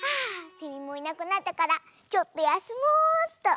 セミもいなくなったからちょっとやすもうっと。